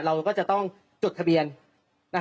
เราก็จะต้องจดทะเบียน